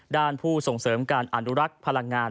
ผู้ส่งเสริมการอนุรักษ์พลังงาน